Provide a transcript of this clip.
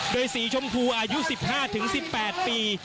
โดยสีชมพูอายุ๑๕๑๘ปี